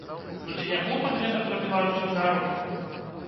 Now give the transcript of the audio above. Ну ці не клопат гэта пра беларускі народ?